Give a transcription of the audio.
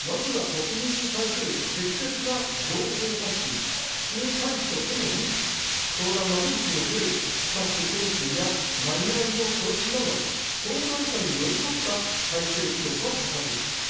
まずは国民に対する適切な情報発信、注意喚起とともに、相談窓口におけるスタッフ研修やマニュアルの更新など、相談者に寄り添った体制強化を図るべきです。